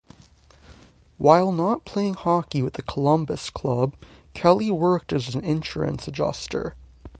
While not playing hockey with the Columbus Club Kelly worked as an insurance adjuster.